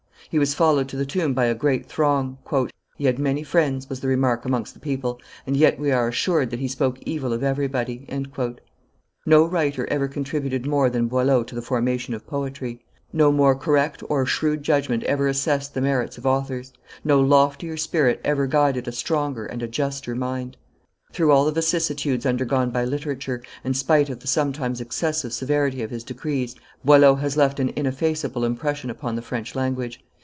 He was followed to the tomb by a great throng. "He had many friends," was the remark amongst the people, "and yet we are assured that he spoke evil of everybody." No writer ever contributed more than Boileau to the formation of poetry; no more correct or shrewd judgment ever assessed the merits of authors; no loftier spirit ever guided a stronger and a juster mind. Through all the vicissitudes undergone by literature, and spite of the sometimes excessive severity of his decrees, Boileau has left an ineffaceable impression upon the French language.